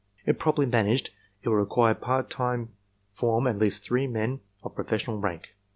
If properly managed, it will re quire part time from at least three men of professional rank.